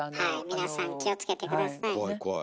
皆さん気をつけて下さい。